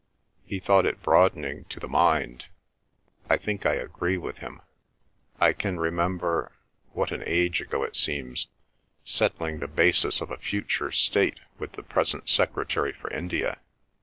He thought it broadening to the mind. I think I agree with him. I can remember—what an age ago it seems!—settling the basis of a future state with the present Secretary for India.